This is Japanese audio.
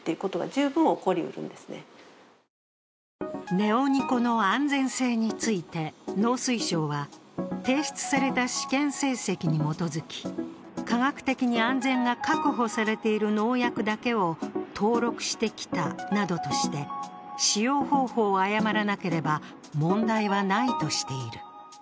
ネオニコの安全性について農水省は、提出された試験成績に基づき、科学的に安全が確保されている農薬だけを登録してきたなどとして使用方法を誤らなければ問題はないとしている。